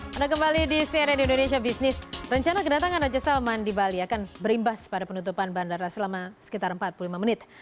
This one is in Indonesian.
pada kembali di cnn indonesia business rencana kedatangan raja salman di bali akan berimbas pada penutupan bandara selama sekitar empat puluh lima menit